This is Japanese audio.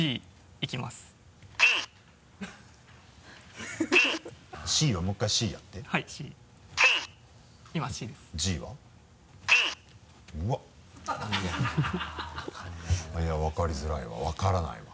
いや分かりづらいわ分からないわ。